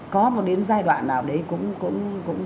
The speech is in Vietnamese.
có một đến giai đoạn nào đấy cũng